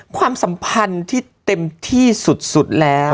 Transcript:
ความสัมพันธ์ที่เต็มที่สุดแล้ว